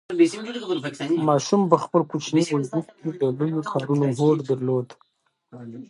ماشوم په خپل کوچني وجود کې د لویو کارونو هوډ درلود.